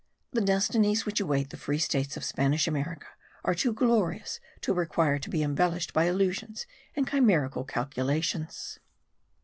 The destinies which await the free states of Spanish America are too glorious to require to be embellished by illusions and chimerical calculations.